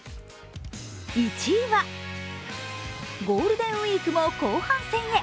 １位はゴールデンウイークも後半戦へ。